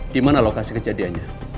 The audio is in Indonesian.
di mana lokasi kejadiannya